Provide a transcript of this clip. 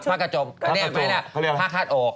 เออเออเออผ้ากระจบ